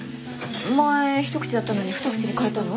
前一口だったのに二口に変えたの？